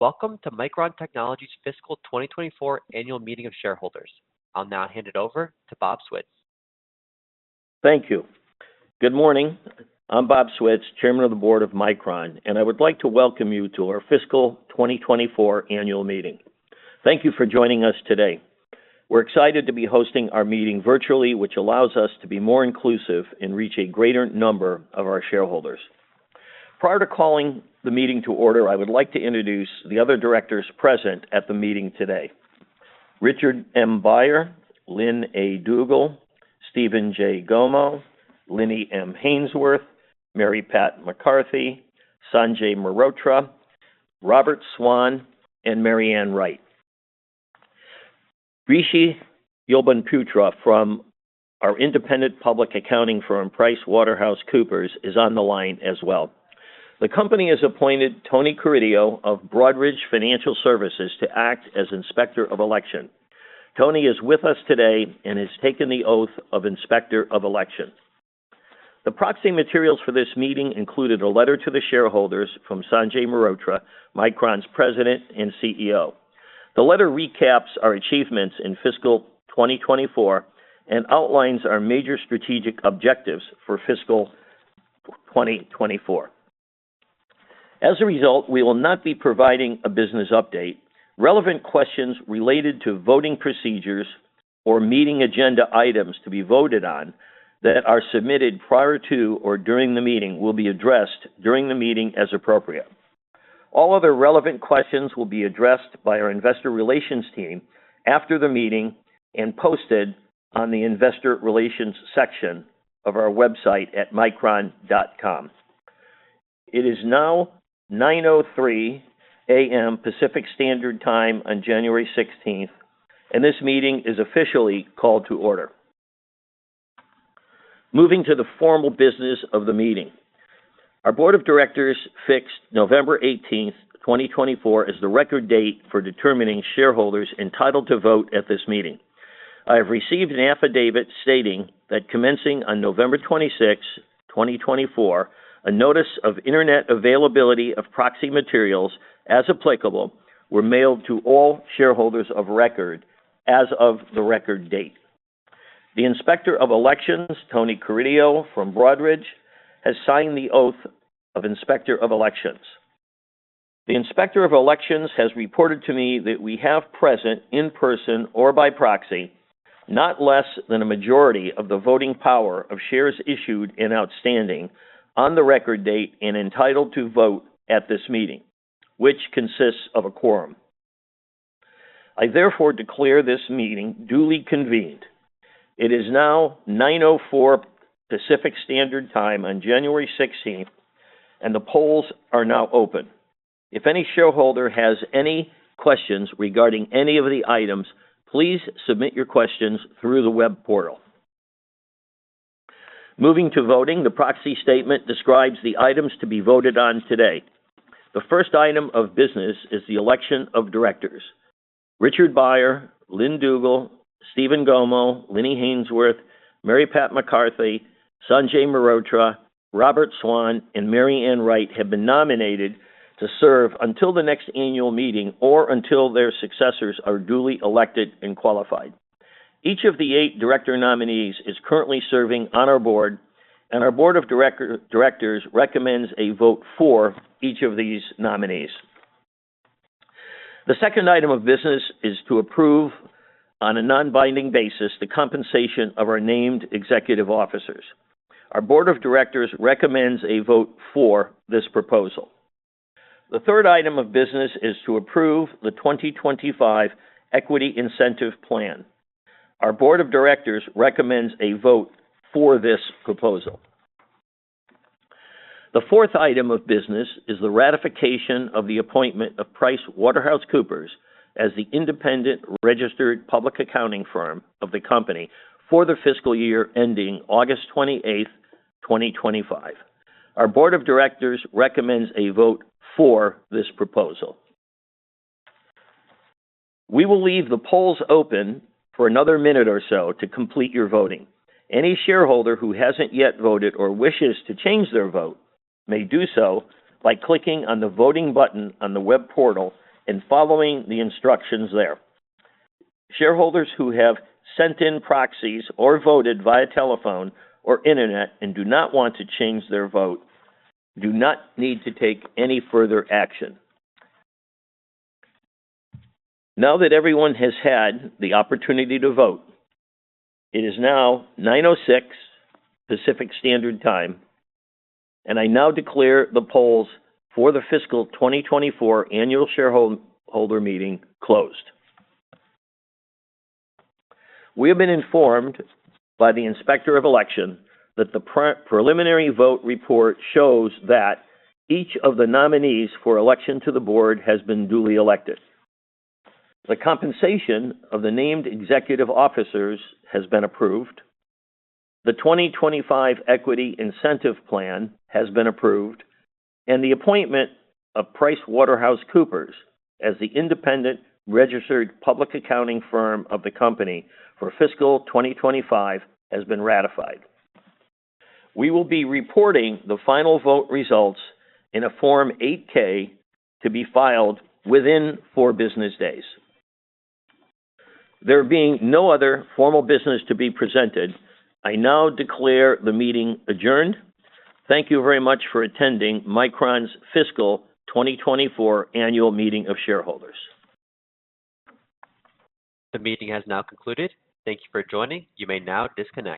Welcome to Micron Technology's Fiscal 2024 Annual Meeting of Shareholders. I'll now hand it over to Bob Switz. Thank you. Good morning. I'm Bob Switz, Chairman of the Board of Micron, and I would like to welcome you to our Fiscal 2024 Annual Meeting. Thank you for joining us today. We're excited to be hosting our meeting virtually, which allows us to be more inclusive and reach a greater number of our shareholders. Prior to calling the meeting to order, I would like to introduce the other directors present at the meeting today: Richard M. Beyer, Lynn A. Dugle, Steven J. Gomo, Linnie M. Haynesworth, Mary Pat McCarthy, Sanjay Mehrotra, Robert Swan, and MaryAnn Wright. Rishi Jobanputra from our independent public accounting firm, PricewaterhouseCoopers, is on the line as well. The company has appointed Tony Carideo of Broadridge Financial Services to act as Inspector of Election. Tony is with us today and has taken the oath of Inspector of Election. The proxy materials for this meeting included a letter to the shareholders from Sanjay Mehrotra, Micron's President and CEO. The letter recaps our achievements in Fiscal 2024 and outlines our major strategic objectives for Fiscal 2024. As a result, we will not be providing a business update. Relevant questions related to voting procedures or meeting agenda items to be voted on that are submitted prior to or during the meeting will be addressed during the meeting as appropriate. All other relevant questions will be addressed by our Investor Relations team after the meeting and posted on the Investor Relations section of our website at micron.com. It is now 9:03 A.M. Pacific Standard Time on January 16th, and this meeting is officially called to order. Moving to the formal business of the meeting, our Board of Directors fixed November 18th, 2024, as the record date for determining shareholders entitled to vote at this meeting. I have received an affidavit stating that commencing on November 26th, 2024, a notice of internet availability of proxy materials, as applicable, were mailed to all shareholders of record as of the record date. The Inspector of Election, Anthony Carideo from Broadridge, has signed the oath of Inspector of Election. The Inspector of Election has reported to me that we have present in person or by proxy, not less than a majority of the voting power of shares issued and outstanding on the record date and entitled to vote at this meeting, which consists of a quorum. I therefore declare this meeting duly convened. It is now 9:04 A.M. Pacific Standard Time on January 16th, and the polls are now open. If any shareholder has any questions regarding any of the items, please submit your questions through the web portal. Moving to voting, the proxy statement describes the items to be voted on today. The first item of business is the election of directors. Richard M. Beyer, Lynn A. Dugle, Steven J. Gomo, Linnie M. Haynesworth, Mary Pat McCarthy, Sanjay Mehrotra, Robert Swan, and MaryAnn Wright have been nominated to serve until the next annual meeting or until their successors are duly elected and qualified. Each of the eight director nominees is currently serving on our Board, and our Board of Directors recommends a vote for each of these nominees. The second item of business is to approve on a non-binding basis the compensation of our named executive officers. Our Board of Directors recommends a vote for this proposal. The third item of business is to approve the 2025 Equity Incentive Plan. Our Board of Directors recommends a vote for this proposal. The fourth item of business is the ratification of the appointment of PricewaterhouseCoopers as the independent registered public accounting firm of the company for the fiscal year ending August 28th, 2025. Our Board of Directors recommends a vote for this proposal. We will leave the polls open for another minute or so to complete your voting. Any shareholder who hasn't yet voted or wishes to change their vote may do so by clicking on the voting button on the web portal and following the instructions there. Shareholders who have sent in proxies or voted via telephone or internet and do not want to change their vote do not need to take any further action. Now that everyone has had the opportunity to vote, it is now 9:06 A.M. Pacific Standard Time, and I now declare the polls for the Fiscal 2024 Annual Shareholder Meeting closed. We have been informed by the Inspector of Election that the preliminary vote report shows that each of the nominees for election to the Board has been duly elected. The compensation of the Named Executive Officers has been approved, the 2025 Equity Incentive Plan has been approved, and the appointment of PricewaterhouseCoopers as the independent registered public accounting firm of the company for Fiscal 2025 has been ratified. We will be reporting the final vote results in a Form 8-K to be filed within four business days. There being no other formal business to be presented, I now declare the meeting adjourned. Thank you very much for attending Micron's Fiscal 2024 Annual Meeting of Shareholders. The meeting has now concluded. Thank you for joining. You may now disconnect.